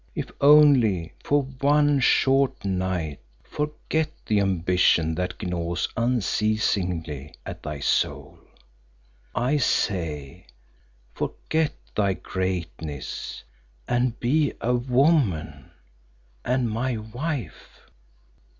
If only for one short night forget the ambition that gnaws unceasingly at thy soul; I say forget thy greatness and be a woman and my wife."